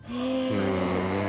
へえ。